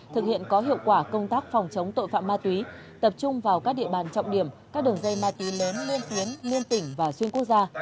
thực hiện có hiệu quả công tác phòng chống tội phạm ma túy tập trung vào các địa bàn trọng điểm các đường dây ma túy lớn liên tuyến liên tỉnh và xuyên quốc gia